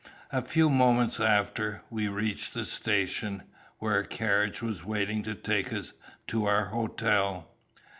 A few moments after, we reached the station, where a carriage was waiting to take us to our hotel.